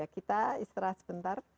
kita istirahat sebentar